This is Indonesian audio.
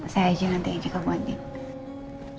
saya aja nantinya jaga bu andin